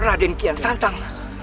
raden kian santang